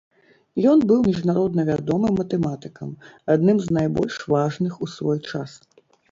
Ён быў міжнародна вядомым матэматыкам, адным з найбольш важных у свой час.